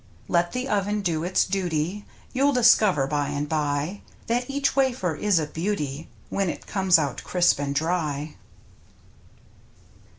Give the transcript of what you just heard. Let the oven do its duty. You'll discover by and by That each wafer is a beauty When it comes out crisp and dry.